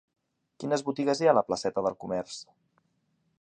Quines botigues hi ha a la placeta del Comerç?